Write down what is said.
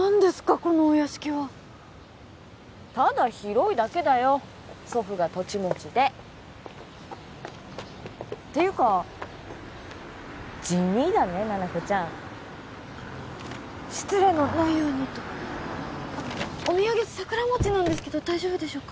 このお屋敷はただ広いだけだよ祖父が土地持ちでていうか地味だね七子ちゃん失礼のないようにとお土産桜餅なんですけど大丈夫でしょうか？